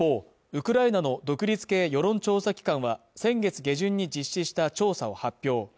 一方ウクライナの独立系世論調査機関は先月下旬に実施した調査を発表